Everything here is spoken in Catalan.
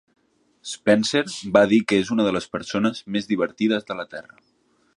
Spencer va dir que és "una de les persones més divertides de la Terra".